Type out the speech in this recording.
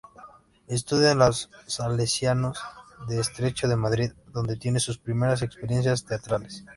Estudia en los Salesianos de Estrecho de Madrid donde tiene sus primeras experiencias teatrales.